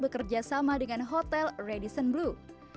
bekerja sama dengan hotel radison blue